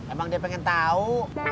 emang dia pengen tahu